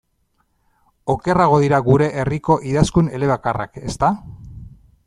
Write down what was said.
Okerrago dira gure herriko idazkun elebakarrak, ezta?